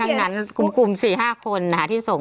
แต่คุณยายจะขอย้ายโรงเรียน